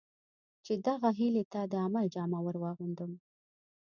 چې دغه هیلې ته د عمل جامه ور واغوندم.